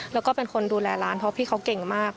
แล้วก็เป็นคนดูแลร้านเพราะพี่เขาเก่งมาก